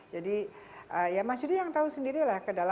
jadi ya mas yudi yang tahu sendiri lah